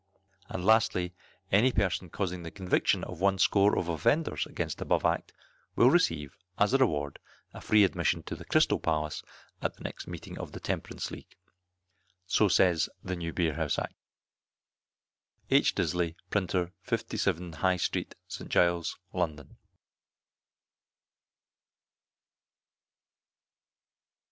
And lastly, any person causing the conviction of one score of offenders against the above Act, will receive, as a reward, a free admission to the Crystal Palace at the next meeting of the Temperance League. So says the New Beer House Act. H. Disley, Printer, 57, High Street, St. Giles, London.